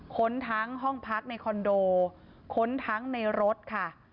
ค้นทั้งห้องพักในคอนโดค้นทั้งในรถค่ะ